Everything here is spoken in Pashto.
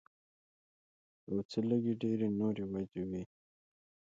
او څۀ لږې ډېرې نورې وجې وي